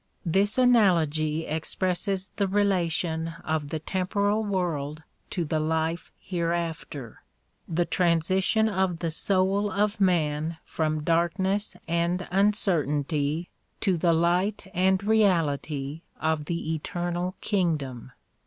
This analogy expresses the relation of the temporal world to the life hereafter ; the transition of the soul of man from darkness and uncertainty to tlie light and reality of the eternal kingdom.